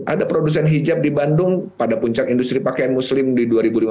ada produsen hijab di bandung pada puncak industri pakaian muslim di dua ribu lima belas dua ribu tujuh belas